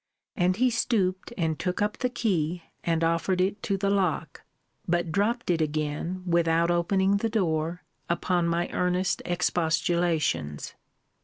And he stooped and took up the key; and offered it to the lock; but dropped it again, without opening the door, upon my earnest expostulations.